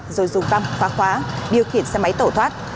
rồi dùng văn phá khóa điều khiển xe máy tẩu thoát